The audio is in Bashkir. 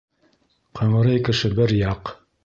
Ҡыңрый кеше бер яҡ.